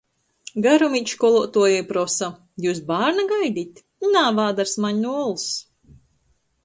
Garom īt školuotuoja i prosa: - Jius bārna gaidit? Nā, vādars maņ nu ols...